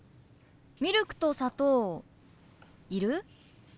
ミルクと砂糖いる？